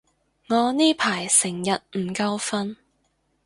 我呢排成日唔夠瞓